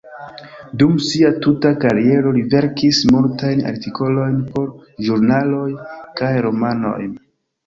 Dum sia tuta kariero li verkis multajn artikolojn por ĵurnaloj kaj romanojn.